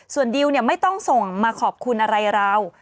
ส่วนดิวไม่ต้องส่งมาขอบคุณอะไรเรา